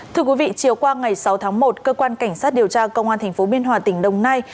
thưa quý vị chiều qua ngày sáu tháng một cơ quan cảnh sát điều tra công an tp biên hòa tỉnh đồng nai